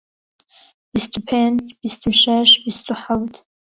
بیست و پێنج، بیست و شەش، بیست و حەوت